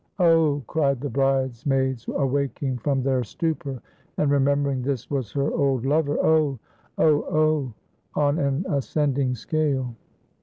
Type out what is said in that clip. "Oh!" cried the bridesmaids, awaking from their stupor, and remembering this was her old lover. "Oh!" "Oh!!" "Oh!!!" on an ascending scale.